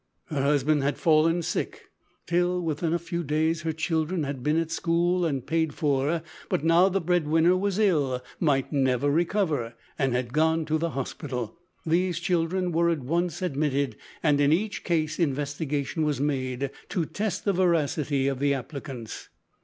Her husband had fallen sick. Till within a few days her children had been at a school and paid for, but now the bread winner was ill might never recover and had gone to the hospital. These children were at once admitted, and in each case investigation was made to test the veracity of the applicants.